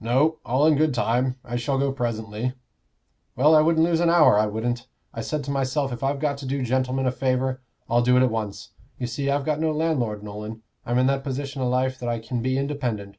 "No; all in good time. I shall go presently." "Well, I wouldn't lose an hour, I wouldn't. I said to myself, if I've got to do gentlemen a favor, I'll do it at once. You see, I've got no landlord, Nolan I'm in that position o' life that I can be independent."